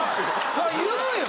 そら言うよ！